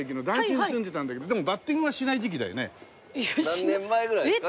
何年前ぐらいですか？